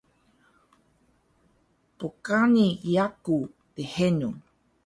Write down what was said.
bqani yaku dhenu